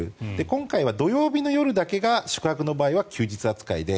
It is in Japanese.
今回は土曜日の夜だけが宿泊の場合は休日扱いで